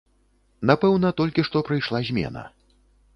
Напэўна, толькі што прыйшла змена.